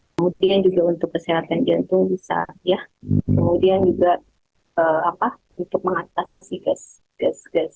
kemudian juga untuk kesehatan jantung bisa kemudian juga untuk mengatasi gas gas gas gangguan gas